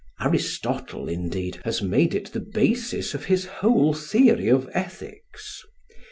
Aristotle, indeed, has made it the basis of his whole theory of ethics.